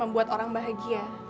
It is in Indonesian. membuat orang bahagia